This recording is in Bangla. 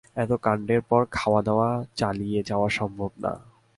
এত কাণ্ডের পর খাওয়াদাওয়া চালিয়ে যাওয়া সম্ভব না।